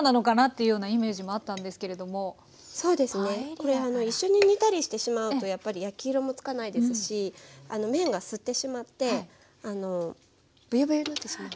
これ一緒に煮たりしてしまうとやっぱり焼き色も付かないですし麺が吸ってしまってぶよぶよになってしまう。